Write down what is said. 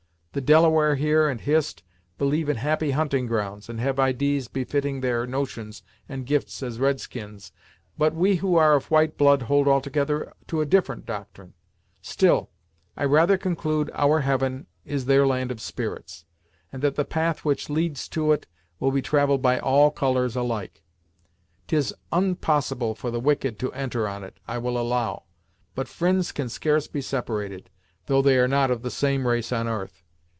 The Delaware, here, and Hist, believe in happy hunting grounds, and have idees befitting their notions and gifts as red skins, but we who are of white blood hold altogether to a different doctrine. Still, I rather conclude our heaven is their land of spirits, and that the path which leads to it will be travelled by all colours alike. 'Tis onpossible for the wicked to enter on it, I will allow, but fri'nds can scarce be separated, though they are not of the same race on 'arth.